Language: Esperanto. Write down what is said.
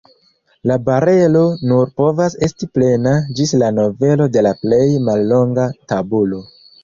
La barelo nur povas esti plena ĝis la novelo de la plej mallonga tabulo.